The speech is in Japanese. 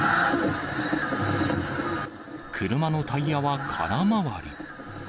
車のタイヤは空回り。